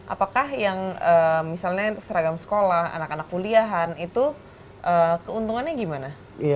apakah yang misalnya seragam sekolah anak anak kuliahan itu keuntungannya gimana